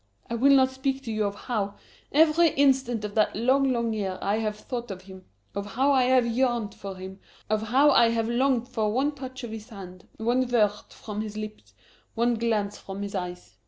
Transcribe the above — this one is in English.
_ I will not speak to you of how, every instant of that long, long year I have thought of him, of how I have yearned for him, of how I have longed for one touch of his hand, one word from his lips, one glance from his eyes.